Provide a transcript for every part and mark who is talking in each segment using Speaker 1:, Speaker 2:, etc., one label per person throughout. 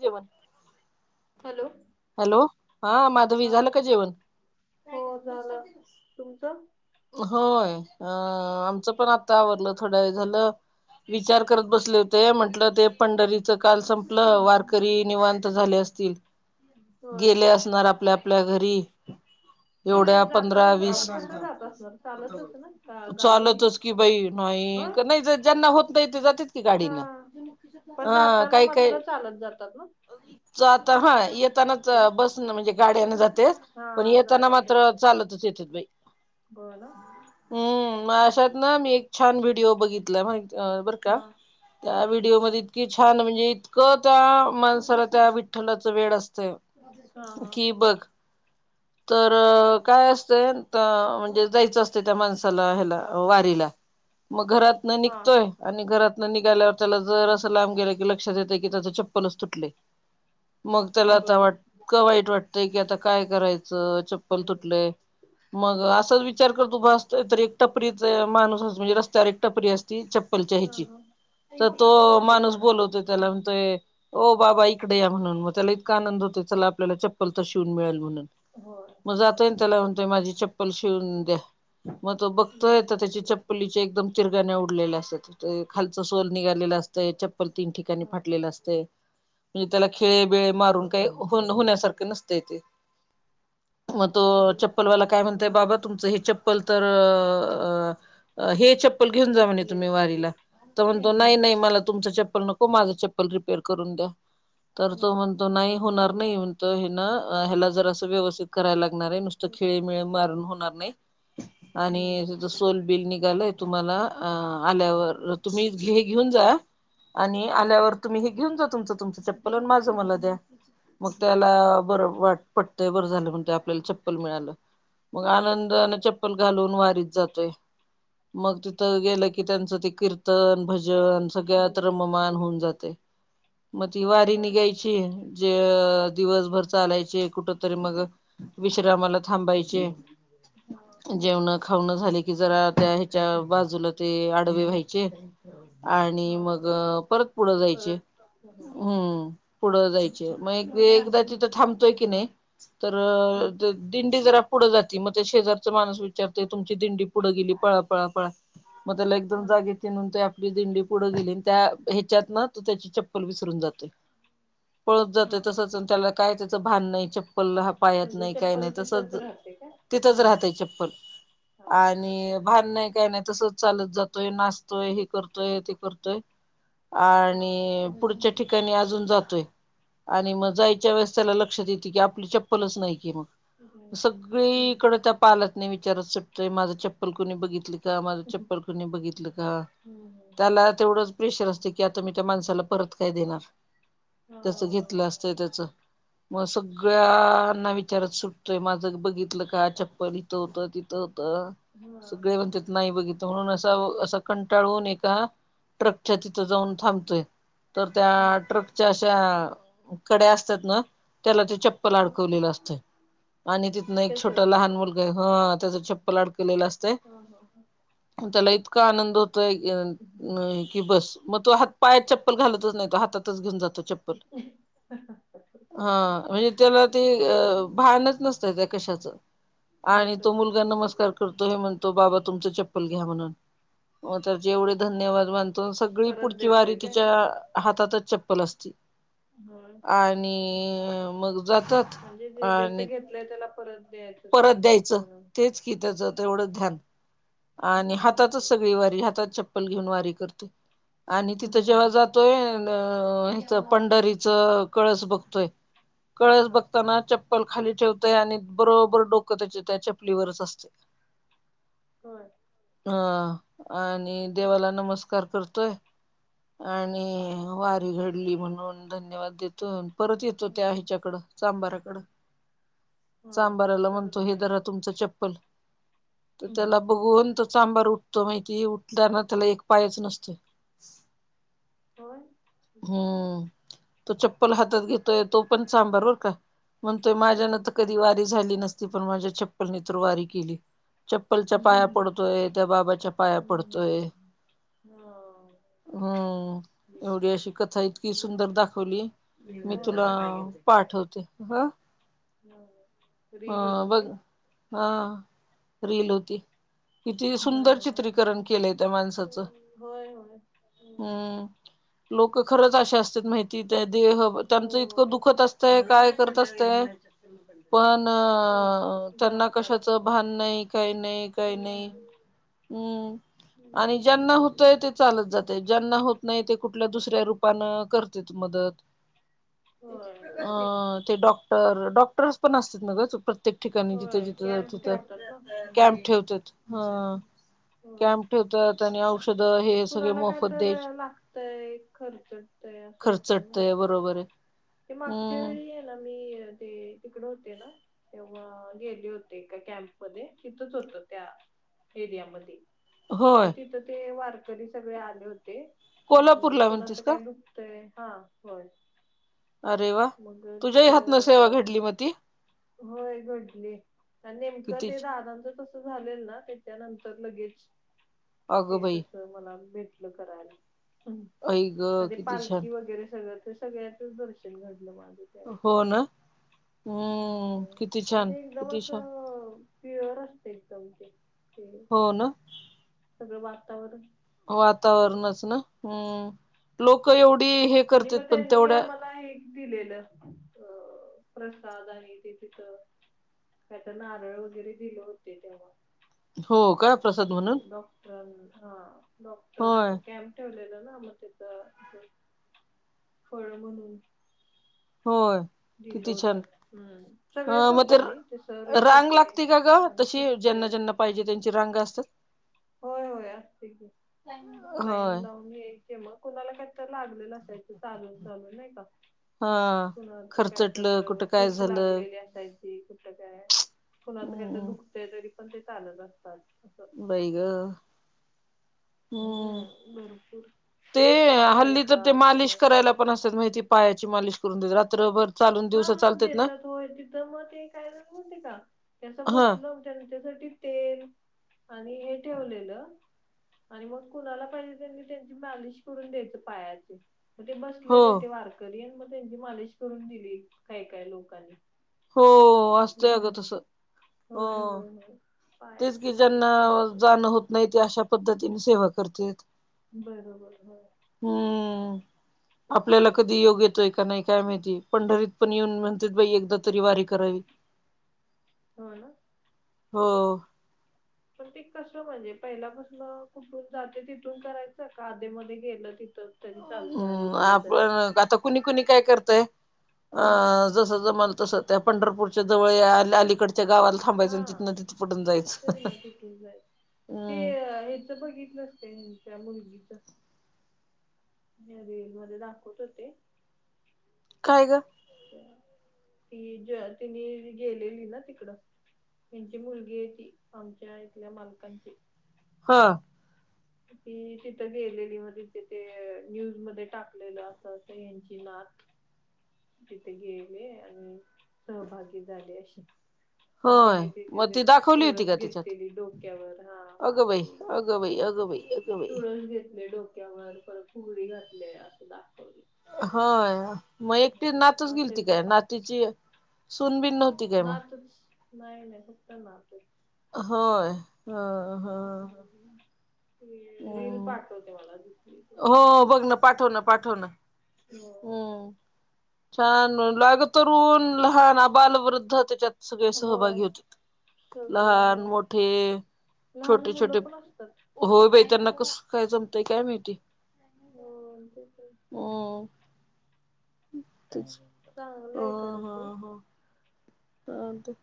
Speaker 1: जेवन
Speaker 2: hello.
Speaker 1: Hello हा माधवी झालं का जेवण?
Speaker 2: हो झालं तुमचं
Speaker 1: होय अ आमचं पण आता आवरल थोड्या वेळ झालं. विचार करत बसले होते म्हंटलं ते पंढरीचं काल संपलं वारकरी निवांत झाले असतील.
Speaker 2: होय
Speaker 1: गेले असणार आपल्या आपल्या घरी.
Speaker 2: ते
Speaker 1: एवढ्या
Speaker 2: जाताना
Speaker 1: पंधरा वीस
Speaker 2: पण कसं जात असणार चालतच ना का गाडीने
Speaker 1: चालतच कि बाई नाही
Speaker 2: होय
Speaker 1: नाही ज्यांना होत नाही ते जातात की
Speaker 2: हा
Speaker 1: गाडीनं.
Speaker 2: पण
Speaker 1: हा
Speaker 2: जाताना
Speaker 1: काही काही
Speaker 2: मात्र चालत जातात ना?
Speaker 1: जाता हा येतानाच बसन म्हणजे गाड्यान जातेच
Speaker 2: हा
Speaker 1: पण येताना
Speaker 2: गाड्या काय
Speaker 1: मात्र
Speaker 2: तर
Speaker 1: चालतच येत्यात बाई.
Speaker 2: बर
Speaker 1: हम्म मग अशात ना मी एक छान व्हिडिओ बघितला माहित बरं
Speaker 2: हा
Speaker 1: का. त्या व्हिडीओमध्ये इतकी छान म्हणजे इतकं त्या माणसाला त्या विठ्ठलाचं वेड असत.
Speaker 2: हा हा
Speaker 1: की बग तर काय असते त म्हणजे जायचं असत त्या माणसाला ह्याला वारीला. मग घरात न
Speaker 2: हा
Speaker 1: निघतोय. आणि घरातन निघाल्यावर त्याला जरसं लांब गेलकी लक्षात येते की त्याच चप्पलच तुटलय. मग त्याला आता
Speaker 2: बर
Speaker 1: वाट वाईट वाटतय की आता काय करायचं
Speaker 2: हम्म
Speaker 1: चप्पल
Speaker 2: हम्म.
Speaker 1: तुटलंय. मग असाच विचार करत उभा असत तर एक टपरी माणूस अस म्हणजे रस्त्यावर एक टपरी असते ती चप्पलच्या
Speaker 2: हा
Speaker 1: ह्याची
Speaker 2: हा
Speaker 1: तर तो
Speaker 2: हा
Speaker 1: माणूस
Speaker 2: दुकानात
Speaker 1: बोलवतो त्याला
Speaker 2: हम्म
Speaker 1: म्हणतो ए ओ बाबा इकडे या म्हणून मग त्याला इतका आनंद होतो चला आपल्याला चप्पल तर शिवून मिळेल म्हणून.
Speaker 2: होय.
Speaker 1: मग जातोय आणि त्याला म्हणतोय माझी चप्पल शिवून द्या मग तो
Speaker 2: बर
Speaker 1: बघतोय तर त्याची च प्पलीचे एकदम चीरगण्या उडलेल्या असत्यात खालचं सोल निघालेलं अस तंय चप्पल तीन ठिकाणी
Speaker 2: हा
Speaker 1: फाटलेलं असतंय नि त्याला खिळे बिळे मा रून काय होण-होण्यासारखं नसतंय ते. मग तो
Speaker 2: हॅलो
Speaker 1: चप्पलवाला काय म्हणतोय
Speaker 2: हा
Speaker 1: बाबा तुमचं हे चप्पल तर अ अ हे चप्पल घेऊन जा म्हणे
Speaker 2: सुटले
Speaker 1: तुम्ही वारीला तर म्हणतो नाही
Speaker 2: हम्म
Speaker 1: नाही मला तुमचं चप्पल न को माझं चप्पल रिपेर करून द्या तर
Speaker 2: बर
Speaker 1: तो म्हणतो नाही
Speaker 2: बर
Speaker 1: हो णार नाही म्हणतो ह्यानं अ ह्याला जरा असं व्यवस्थित कराय लागणार आहे नुस तं खीळे मिळे मारुण होणार नाही आणि
Speaker 2: हम्म
Speaker 1: [unintelligible] सोल बिल निघालय तुम्हाला अ आल्यावर तुम्हीज हे घेऊन जा आणि
Speaker 2: हा हम्म
Speaker 1: आल्यावर तुम्ही हे घेऊन जा तुमचं तुमचं चप्पल आणि माझं मला द्या. मग
Speaker 2: हम्म,
Speaker 1: त्याला
Speaker 2: हम्म.
Speaker 1: बरं वाट पटतंय बरं झालं मग ते आपल्याला चप्पल मिळालं. मग
Speaker 2: होय
Speaker 1: आनंदानं चप्पल घालून वारीत जातोय. मग तिथं गेलं की त्यांचं ते कीर्तन, भजन सगळ्यात
Speaker 2: म्हणजे
Speaker 1: रममान होऊन
Speaker 2: हम्म
Speaker 1: जातय मग ती वारी
Speaker 2: होय
Speaker 1: निघाय ची जे दिवसभर चालायचे कुठं तरी मग विश्रामाला थांबायचे.
Speaker 2: हो.
Speaker 1: जेवण खावंनं झाले की जरा त्या ह्याच्या बाजूला ते आडवे व्हायचे
Speaker 2: हा
Speaker 1: आणि मग परत पुढं जायचे. हम्म. पुढं जायचे म एक-एकदा तिथं थांबतोय की नाही तर ते दिंडी जरा पुढं जाती मग ते शेजारचं माणुस विचारतोय तुमची दिंडी पुढं गेली पळा पळा पळा मग त्याला एकदम
Speaker 2: हा
Speaker 1: जाग ये ते आणि म्हणतोय आपली दिंडी पुढं गेली त्या ह्याच्यातनं तो त्याची चप्पल विसरून जातोय. पळत
Speaker 2: हा
Speaker 1: जातोय
Speaker 2: हा
Speaker 1: तसंच आणि त्याला काय त्याचं भान नाही चप्पल हा पायात
Speaker 2: म्हणजे
Speaker 1: नाही काही
Speaker 2: चप्पल
Speaker 1: नाही
Speaker 2: तिथंच
Speaker 1: तसंच
Speaker 2: राहते का?
Speaker 1: तिथंच
Speaker 2: हम्म, हम्म.
Speaker 1: राहतंय चप्पल
Speaker 2: हा
Speaker 1: आणि भान नाही काय नाही तसंच चालत जातोय नाचतोय हे करतोय ते करतोय
Speaker 2: हा
Speaker 1: आणि पुढच्या ठिकाणी अजून जा आणि मग जायच्या वेळेस त्याला लक्षात येते की आपली चप्पलच नाही की मग
Speaker 2: बरं. हम्म
Speaker 1: सगळीकडं त्या [unintelligible] विचारत सुटतोय माझं चप्पल कुणी बघितलीत का माझं चप्पल
Speaker 2: हम्म
Speaker 1: कुणी बघितलं का?
Speaker 2: हम्म हम्म.
Speaker 1: त्याला तेवढंच प्रेशर असतोय की आता मी त्या माणसाला परत काय देणार?
Speaker 2: हा
Speaker 1: त्याचं घेतलं असतंय त्याचं मग
Speaker 2: होय
Speaker 1: सगळ्यांना वि चारत सुटतोय माझं बघितलं का चप्पल? इथं होतं तिथं होतं.
Speaker 2: हा हा
Speaker 1: सगळे
Speaker 2: हा
Speaker 1: म्हणत्यात नाही बघि तो म्हणून असा असा कंटाळून एका ट्रकच्या तिथं जाऊन थांबतोय. तर त्या
Speaker 2: हम्म
Speaker 1: ट्रकच्या अशा कड्या असतात ना? त्याला तो चप्प ल
Speaker 2: हा
Speaker 1: अडकवलेलं असतोय आणि तिथनं एक छोट
Speaker 2: त्याचच
Speaker 1: लहान मुलगा हं त्याचं चप्पल अडकवलेलं अस
Speaker 2: हं हं.
Speaker 1: त्याला इतका आनंद होतोय
Speaker 2: हम्म
Speaker 1: [unintelligible] की बस मग तो हातपायात चप्पल घालतच नाही तो हातातच घेऊन जातो चप्पल.
Speaker 2: [inaudible]
Speaker 1: हां म्हणजे त्याला ते अ भानच नसतंय का कशाचं आणि तो
Speaker 2: बरोबर
Speaker 1: मुलगा नमस्कार करतो हे म्हणतो बाबा तुमचं चप्पल घ्या म्हणून. मग त्याचे एवढे धन्यवाद मानतो सगळी
Speaker 2: परत
Speaker 1: पुढची वारी
Speaker 2: देतोय काय
Speaker 1: तिच्या
Speaker 2: हा
Speaker 1: हातातच चप्पल असते.
Speaker 2: होय
Speaker 1: आणि मग जातात
Speaker 2: म्हणजे जे ज्याच
Speaker 1: आणि
Speaker 2: घेतलंय त्याला परत दे.
Speaker 1: परत द्यायचं तेच की त्याचं तेवढंच ध्यान. आणि हातातच सगळी वारी हातात चप्पल घेऊन करते आणि तिथं जेव्हा
Speaker 2: हम्म
Speaker 1: जात तोय अ ह्याच पंढरीचा कळस बघतोय. कळस
Speaker 2: हा
Speaker 1: बघताना चप्पल खाली ठेवते आणि बरोबर डोकं त्याचे त्या चपलीवरच असते.
Speaker 2: होय.
Speaker 1: ह आणि देवाला नमस्कार करतो तोय आणि वारी घडली म्हणून धन्यवाद देतो परत येतो त्या हेच्याकडं चांबाराकड
Speaker 2: हा
Speaker 1: चांबाराला
Speaker 2: करून
Speaker 1: म्हणतो हे
Speaker 2: द्या
Speaker 1: धरा तुमच चप्पल तर त्याला बघून तो सांबार उठतो माहिती उठताना त्याला एक पायाच नसत.
Speaker 2: होय?
Speaker 1: हम्म तो चप्पल हातात घेतोय तो पण चांबर बर का. म्हणतोय माझ्यान तर कधी वारी झाली नसती पण माझ्या चप्पलने तर वारी केली. चप्पलच्या पाया
Speaker 2: हम्म
Speaker 1: पडतोय त्या बाबाच्या पाया पडतोय.
Speaker 2: हा
Speaker 1: हम तेवढी
Speaker 2: बरोबर
Speaker 1: [unintelligible] कथा इतकी सुंदर दाखवली मी
Speaker 2: होय
Speaker 1: तुला
Speaker 2: मस्त
Speaker 1: पाठवते ह.
Speaker 2: हम.
Speaker 1: हा बघ हा अ रील होती. किती
Speaker 2: हा
Speaker 1: सुंदर चित्रीकरण केलंय त्या माणसाचं
Speaker 2: होय होय
Speaker 1: हम्म. लोक खरंच अशे असतात माहिती त्या देह
Speaker 2: हो
Speaker 1: त्यांचं इतकं दुखत तय काय करत असतय पण अ
Speaker 2: होय
Speaker 1: त्यांना
Speaker 2: जातात
Speaker 1: कशाच भान नाही काही नाही काही नाही.
Speaker 2: हम्म
Speaker 1: हम्म आणि
Speaker 2: बरोबर.
Speaker 1: ज्यांना होतोय ते चालत जातय ज्यांना होत नाही ते कुठल्या दुसऱ्या रूपनें करते मदत.
Speaker 2: होय
Speaker 1: अ
Speaker 2: होय
Speaker 1: ते डॉक्टर डॉक्टर पण असतात ना ग चुक प्रत्येक ठिकाणी जिथे
Speaker 2: होय
Speaker 1: जिथं
Speaker 2: कॅम्प
Speaker 1: तिथं
Speaker 2: ठेवतात ना हम्म
Speaker 1: कॅम्प ठेवतात ह. कॅम्प ठेवतात आणि औष
Speaker 2: कोणाला काय तर लागतंय खर्चटतय असं होतं ना.
Speaker 1: खर्चटतय बरोबर आहे
Speaker 2: ते मागच्या
Speaker 1: हम्म
Speaker 2: वेळी हाय ना मी ते तिकडे होते ना. तेव्हा गेले होते एका कॅम्पमध्ये तिथंच होत त्या एरियामध्ये मग
Speaker 1: होय
Speaker 2: तिथं ते वारकरी सगळे आले होते. हो ह
Speaker 1: कोल्हापूरला म्हणतीस
Speaker 2: कोणाचं
Speaker 1: का
Speaker 2: काय दुखतय हा होय.
Speaker 1: अरे वा
Speaker 2: मग
Speaker 1: तुझ्याही
Speaker 2: तिकडं
Speaker 1: हातनं सेवा घडली मग ती
Speaker 2: होय घडली आणि नेमकं
Speaker 1: किती
Speaker 2: ते दादांचं त झालेल त्याच्यानंतर लगेच
Speaker 1: अगं
Speaker 2: ते
Speaker 1: बाई
Speaker 2: तस मला भेटल करायला
Speaker 1: आई ग किती छान
Speaker 2: पालखी वगैरे सगळ ते सगळ तिथेच दर्शन घडलं माझं ते.
Speaker 1: हो ना? हम्म
Speaker 2: हम्
Speaker 1: किती
Speaker 2: पण
Speaker 1: छान
Speaker 2: ते एकदम
Speaker 1: किती
Speaker 2: अस
Speaker 1: छान
Speaker 2: प्युअर असते एकदम ते.
Speaker 1: हो ना?
Speaker 2: सगळं वातावरण अं,
Speaker 1: वातावरणच ना हम्म, लोकं एवढी हे
Speaker 2: आणि
Speaker 1: करत्यात
Speaker 2: मग
Speaker 1: पण
Speaker 2: त्यांनी
Speaker 1: तेवढ्या
Speaker 2: आम्हाला हे दिलेलं अ प्रसाद आणि ते तिथं काय तर नारळ वगैरे दिलं होते तेव्हा
Speaker 1: हो का? प्रसाद म्हणून
Speaker 2: डॉक्टरां हां डॉक्टर
Speaker 1: होय
Speaker 2: [unintelligible] ठेवलेलं ना मग तिथं [unintelligible] फळं म्हणून
Speaker 1: होय.
Speaker 2: दिलं
Speaker 1: किती
Speaker 2: होत
Speaker 1: छान
Speaker 2: हम्म सगळेच
Speaker 1: हं
Speaker 2: होतो
Speaker 1: मतर
Speaker 2: आम्ही ते सर एक
Speaker 1: रांग
Speaker 2: होते
Speaker 1: लागते का गं?
Speaker 2: आणि
Speaker 1: तशी ज्यांना
Speaker 2: सिस्टर
Speaker 1: ज्यांना पाहिजे त्यांची रांग असतात?
Speaker 2: होय होय असतंय की
Speaker 1: होय
Speaker 2: लाईन लाऊन याय चे मग कुणाला काहीतर लागलेलं असायचं चालून चालून नाही
Speaker 1: हा
Speaker 2: कुणाला तर
Speaker 1: खर्चटलं
Speaker 2: कायतर
Speaker 1: कुठं काय
Speaker 2: ठेच
Speaker 1: झालं
Speaker 2: लागलेली असाय ची कुठं काय कुणाला काय तर
Speaker 1: हम्म
Speaker 2: दुखतंय तरी पण ते चालत असतात असं.
Speaker 1: बाई गं. हम्म ते हल्ली तर ते मालिश करायला पण असतात माहिती पायाची मालिश करून देतात रात्रभर चालून
Speaker 2: हां
Speaker 1: दिवसा
Speaker 2: हां
Speaker 1: चालतेत ना
Speaker 2: देतात होय तिथं मग ते काय झालं माहिती आहे का? ते असं
Speaker 1: हा
Speaker 2: बसलं त्यांच्यासाठी तेल आणि हे ठेवलेलं आणि मग कुणाला पाहिजे त्यांनी त्यांची मालिश करून द्यायचं पायाची. मग ते
Speaker 1: हो
Speaker 2: बसलेले ते वारकरी आणि मग त्यांची मालिश करून दिली काही काही लोकांनी.
Speaker 1: हो. हो असतंय अगं तसं हो
Speaker 2: होय होय होय
Speaker 1: तेच
Speaker 2: पायाची
Speaker 1: की
Speaker 2: मालिश
Speaker 1: ज्यांना
Speaker 2: करून दे
Speaker 1: जाणं होत नाही ते अशा पद्धतीने सेवा करत्यात.
Speaker 2: बरोबर होय.
Speaker 1: हम्म, आपल्याला
Speaker 2: चांगलं
Speaker 1: कधी योग येतोय का नाही काय माहिती पंढरीत पण येऊन म्हणत्यात बाई एकदा तरी वारी करावी
Speaker 2: हो ना
Speaker 1: हो.
Speaker 2: पण ते कसं म्हणजे पहिल्यापासनं कुठून जातंय तिथून करायचं का आधीमध्ये गेलं तिथं तरी चालतंय
Speaker 1: हम्म
Speaker 2: अलीकडे जरा
Speaker 1: आपण आता कुणी कुणी काय करतंय अ
Speaker 2: हम्म
Speaker 1: जसं जमल तसं त्या पंढरपूरच्या जवळ या अल-अलीकडच्या गावाला थांबायचं आणि
Speaker 2: हां
Speaker 1: तिथनं तिथं पटून जायचं
Speaker 2: तर मग तिथून जायचं
Speaker 1: हम्म
Speaker 2: ते [unintelligible] ते बघितलं ह्यांच्या मुलगीचं? या रीलमध्ये दाखवत होते.
Speaker 1: काय गं?
Speaker 2: त्या ती ज तिनी गेलेली ना तिकडं. त्यांची मुलगी ए ती आमच्या इथल्या मालकांची.
Speaker 1: हां.
Speaker 2: ती तिथं गेलेली मग ती तिथे न्यूजमध्ये टाकलेलं असं असं यांची नाथ तिथे गेले आणि सहभागी झाले असे. मग
Speaker 1: होय
Speaker 2: तिने तिथे
Speaker 1: मग
Speaker 2: ते
Speaker 1: ती दाखवली होती
Speaker 2: तुळस
Speaker 1: का तिच्यात
Speaker 2: घेतलेली डोक्यावर हां
Speaker 1: अगं बाई
Speaker 2: दाखवले.
Speaker 1: अगं बाई अगं बाई. अगं बाई
Speaker 2: तुळस घेतले डोक्यावर परत फुगडी घातले असं दाखवले.
Speaker 1: होय मग एकटी नातच गेलती
Speaker 2: असेल तर
Speaker 1: काय?
Speaker 2: पा
Speaker 1: नातीची सून बिन नव्हती काय मग?
Speaker 2: [unintelligible] नाही नाही फक्त नातच.
Speaker 1: होय हं हं.
Speaker 2: हम्म ती रील
Speaker 1: हम्म
Speaker 2: पाठवते मला [unintelligible]
Speaker 1: हो बघ ना पाठव ना पाठव ना.
Speaker 2: हो
Speaker 1: छान [unintelligible] अगं तरुण, लहान अ बाल वृद्ध त्याच्यात सगळे
Speaker 2: होय
Speaker 1: सहभागी होतेत.
Speaker 2: सगळे
Speaker 1: लहान,
Speaker 2: होय
Speaker 1: मोठे,
Speaker 2: लहान
Speaker 1: छोटे छोटे
Speaker 2: मुलं पण असतात
Speaker 1: होय
Speaker 2: हो
Speaker 1: बाई त्यांना कस काय जमतंय काय माहिती?
Speaker 2: होय [unintelligible]
Speaker 1: हम्म [unintelligible] अ
Speaker 2: चांगलंय खरं
Speaker 1: हा
Speaker 2: ते.
Speaker 1: हा चालतंय.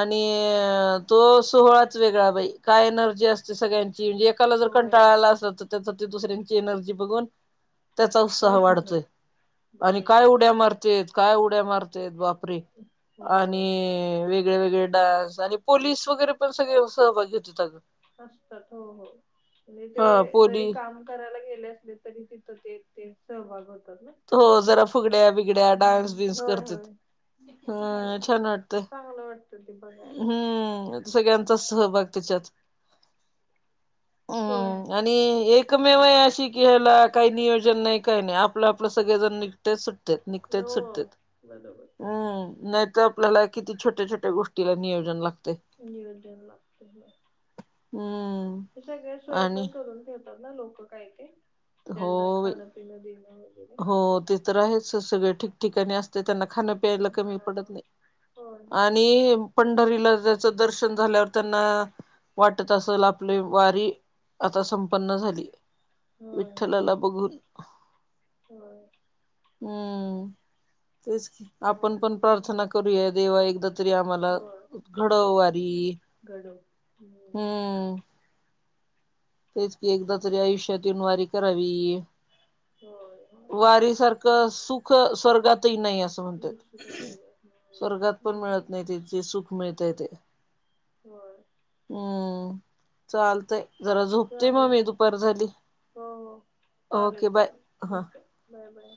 Speaker 1: आणि तो सोहळाच वेगळा बाई काय एनर्जी असते सगळ्यांची म्हणजे एकाला जर
Speaker 2: होय
Speaker 1: कंटाळा आला असल [unintelligible] दुसऱ्यांची एनर्जी बघून त्याचा उत्साह
Speaker 2: होय होय.
Speaker 1: वाढतोय आणि काय
Speaker 2: बरोबर.
Speaker 1: उड्या मारतेय काय उड्या मारतेत बापरे आणि
Speaker 2: होय होय.
Speaker 1: वेगळे वेगळे डान्स आणि पोलीस वगैरे पण सगळे सहभागी होतेत अगं.
Speaker 2: असतात हो हो म्हणजे ते
Speaker 1: हा
Speaker 2: जरी
Speaker 1: पोलीस
Speaker 2: काम करायला गेले असले तरी तिथं ते ते सहभागी होतात ना?
Speaker 1: हो जरा फुगड्या बिगड्या डान्स
Speaker 2: हम्म
Speaker 1: बिन्स
Speaker 2: होय
Speaker 1: करत्यात
Speaker 2: होय
Speaker 1: हो छान
Speaker 2: बरोबर.
Speaker 1: वाटतं.
Speaker 2: चांगलं वाटतं ते बघाय
Speaker 1: हम्म आता सगळ्यांचाच सहभाग त्याच्यात
Speaker 2: होय.
Speaker 1: हम्म आणि एकमेव आहे अशी की ह्याला काही नियोजन नाही काही नाही आपलं आपलं सगळेजण निघत्यात सुटत्यात निघत्यात
Speaker 2: हो
Speaker 1: सुटत्यात.
Speaker 2: बरोबर
Speaker 1: हम्म नाही तर आपल्याला किती छोट्या छोट्या गोष्टीला नियोजन लागतंय.
Speaker 2: नियोजन लागतंय होय.
Speaker 1: हम्म.
Speaker 2: ते सगळे सोय
Speaker 1: आणि
Speaker 2: पण करून ठेवतात ना लोकं काही काही?
Speaker 1: हो
Speaker 2: त्यांना खाण पिणं देणं वगैरे?
Speaker 1: त राहायचं सगळं ठीक ठिकाणी असतंय त्यांना खाणं प्यायला कमी पडत
Speaker 2: हा
Speaker 1: नाही
Speaker 2: होय होय
Speaker 1: आणि पंढरीला ज्याचं दर्शन झाल्यावर त्यांना वाटत असल आपली वारी आता संपन्न झाली.
Speaker 2: होय होय
Speaker 1: विठ्ठलाला बघून.
Speaker 2: होय.
Speaker 1: हम्म तेच की. आपण पण
Speaker 2: चालेल चालेल
Speaker 1: प्रार्थना करूया देवा एकदा तरी आम्हाला
Speaker 2: होय
Speaker 1: अ घडव वारी हम्म. तेच की एकदा तरी आयुष्यात येऊन वारी करावी
Speaker 2: होय होय
Speaker 1: वारी सार खं सुख स्वर्गातही नाही असं म्हणतात
Speaker 2: दुसरं नाही आहे
Speaker 1: स्वर्गात पण
Speaker 2: बरोबर
Speaker 1: मिळत नाही ते ते सुख मिळतंय इथे.
Speaker 2: होय.
Speaker 1: हम्म चालतंय.
Speaker 2: चालेल. हो हो
Speaker 1: ओके
Speaker 2: चालेल
Speaker 1: बाय
Speaker 2: चालेल
Speaker 1: हा
Speaker 2: ठीक आहे. Bye bye.